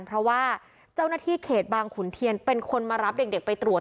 เพราะว่าเจ้าหน้าที่เขตบางขุนเทียนเป็นคนมารับเด็กไปตรวจ